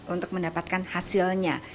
untuk mendapatkan hasilnya